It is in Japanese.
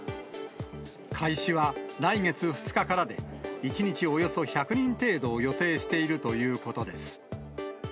開始は来月２日からで、１日およそ１００人程度を予定しているということです。